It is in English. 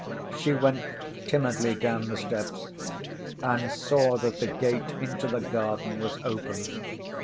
She went timidly down the steps and saw that the gate into the garden was open.